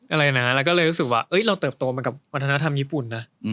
อะไรนะเราก็เลยรู้สึกว่าเราเติบโตมากับวัฒนธรรมญี่ปุ่นนะ